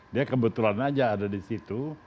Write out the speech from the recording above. dia kebetulan aja ada di situ